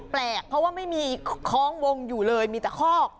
แปลกเพราะว่าไม่มีคล้องวงอยู่เลยมีแต่คอก